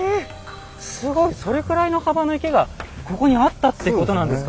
すごい！それくらいの幅の池がここにあったってことなんですか。